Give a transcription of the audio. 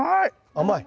甘い？